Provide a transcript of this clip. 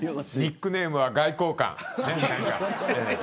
ニックネームは外交官。